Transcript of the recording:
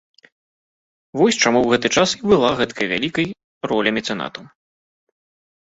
Вось чаму ў гэты час і была гэтакай вялікай роля мецэнатаў.